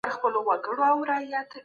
مکناتن ویره احساس کړه.